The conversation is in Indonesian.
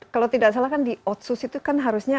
kalau tidak salah kan di otsus itu kan harusnya